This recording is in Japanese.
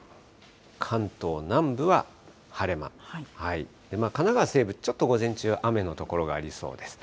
関東南部は晴れ間、神奈川西部、ちょっと午前中、雨の所がありそうです。